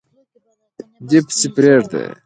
دی پسي پریږده